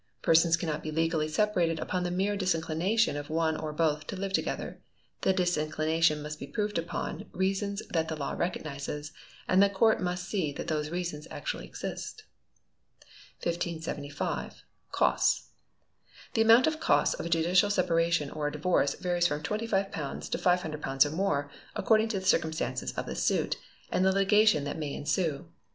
Persons cannot be legally separated upon the mere disinclination of one or both to live together. The disinclination must be proved upon, reasons that the law recognises; and the court must see that those reasons actually exist. 1575. Costs. The amount of sosts of a judicial separation or a divorce varies from £25 to £500 or more, according to the circumstances of the suit, and the litigation that may ensue.